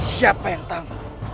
siapa yang tangguh